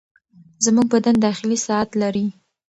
زموږ بدن داخلي ساعت لري.